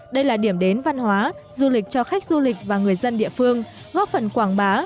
đây là điểm đến văn hóa du lịch cho khách du lịch và người dân địa phương góp phần quảng bá